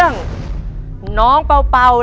ปีหน้าหนูต้อง๖ขวบให้ได้นะลูก